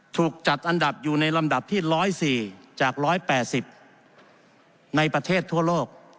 ถูกจัดอันดับอยู่ในลำดับที่๑๐๔จาก๑๘๐ในประเทศทั่วโลก